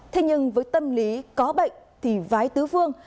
thế nhưng với tâm lý có bệnh thì vái tứ vương